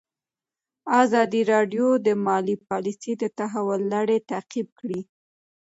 ازادي راډیو د مالي پالیسي د تحول لړۍ تعقیب کړې.